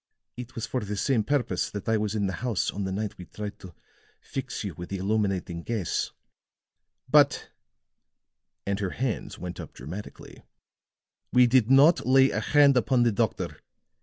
It was for the same purpose that I was in the house on the night we tried to fix you with the illuminating gas. "But," and her hands went up dramatically, "we did not lay a hand upon the doctor.